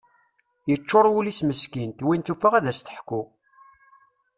Yeččur wul-is meskint, win tufa ad as-teḥku.